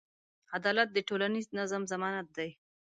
عدالت د ټولنیز نظم ضمانت دی.